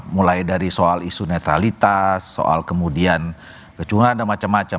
mulai dari soal isu netralitas soal kemudian kecungan dan macam macam